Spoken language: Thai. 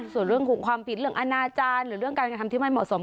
ส่วนเรื่องของความผิดเรื่องอนาจารย์หรือเรื่องการกระทำที่ไม่เหมาะสม